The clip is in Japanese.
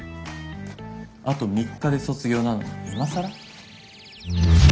あと３日で卒業なのに今更？